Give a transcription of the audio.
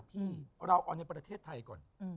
พี่เราเอาในประเทศไทยก่อน